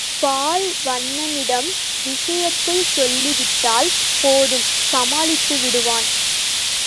பால்வண்ணனிடம் விஷயத்தை சொல்லிவிட்டால் போதும் சமாளித்து விடுவான்.